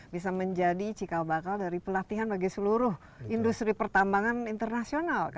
bisa menjadi cikal bakal dari pelatihan bagi seluruh industri pertambangan internasional